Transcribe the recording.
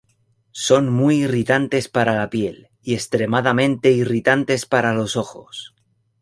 Son muy irritantes para la piel, y extremadamente irritantes para los ojos.